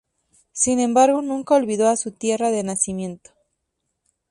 Sin embargo nunca olvidó a su tierra de nacimiento.